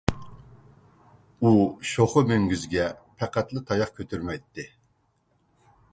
ئۇ شوخا مۈڭگۈزگە پەقەتلا تاياق كۆتۈرمەيتتى.